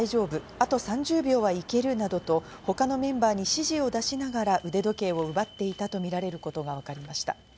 あと３０秒はいけるなどと、他のメンバーに指示を出しながら腕時計を奪っていたとみられることがわかりました。